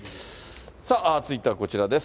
続いてはこちらです。